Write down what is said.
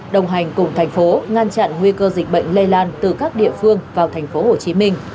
đồng hành cùng thành phố ngăn chặn nguy cơ dịch bệnh lây lan từ các địa phương vào tp hcm